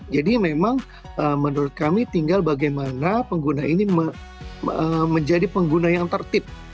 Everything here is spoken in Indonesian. jadi memang menurut kami tinggal bagaimana pengguna ini menjadi pengguna yang tertib